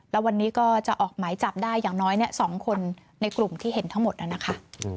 แล้ววันนี้ก็จะออกหมายจับได้อย่างน้อย๒คนในกลุ่มที่เห็นทั้งหมดนะคะ